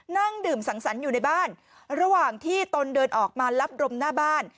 นั่งดื่มสังสรรค์อยู่ในบ้านระหว่างที่ตนเดินออกมารับรมหน้าบ้าน